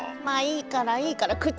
まあいいからいいから。